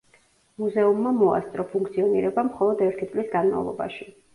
მუზეუმმა მოასწრო ფუნქციონირება მხოლოდ ერთი წლის განმავლობაში.